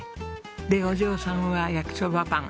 でお嬢さんは焼そばパン。